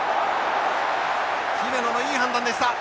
姫野のいい判断でした。